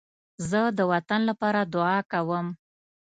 زه د وطن لپاره دعا کوم